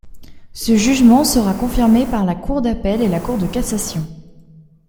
Ce jugement sera confirmé par la Cour d'appel et la Cour de cassation.